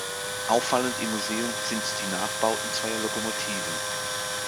Auffallend im Museum sind die Nachbauten zweier Lokomotiven.